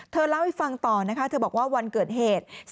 เล่าให้ฟังต่อนะคะเธอบอกว่าวันเกิดเหตุ